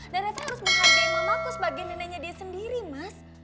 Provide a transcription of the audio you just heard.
dan reva harus menghargai mamaku sebagai neneknya dia sendiri mas